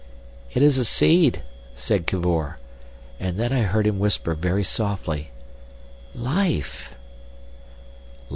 "It is a seed," said Cavor. And then I heard him whisper very softly, "_Life!